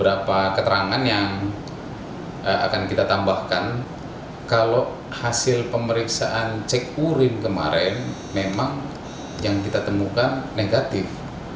beberapa keterangan yang akan kita tambahkan kalau hasil pemeriksaan cek urin kemarin memang yang kita temukan negatif